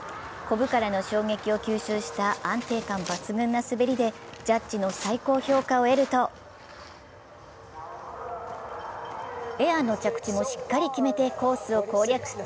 こぶからの衝撃を吸収した安定感抜群の滑りでジャッジの最高評価を得るとエアの着地もしっかり決めてコースを攻略。